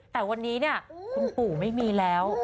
แต่วันนี้เนี่ยคุณปู่ไม่มีแล้ว